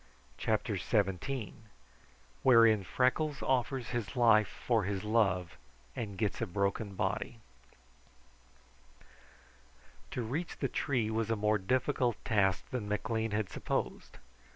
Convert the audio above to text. CHAPTER XVII Wherein Freckles Offers His Life for His Love and Gets a Broken Body To reach the tree was a more difficult task than McLean had supposed.